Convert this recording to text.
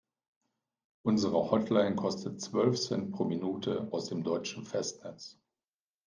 Unsere Hotline kostet zwölf Cent pro Minute aus dem deutschen Festnetz.